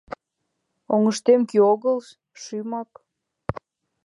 Оҥыштем кӱ огылыс — шӱмак!